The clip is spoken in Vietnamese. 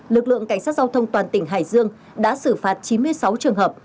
lực lượng cảnh sát giao thông toàn tỉnh hải dương đã xử phạt chín mươi sáu trường hợp